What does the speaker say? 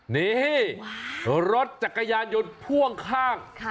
นี่รถจักรยานยนต์พ่วงข้าง